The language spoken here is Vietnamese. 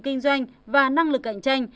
kinh doanh và năng lực cạnh tranh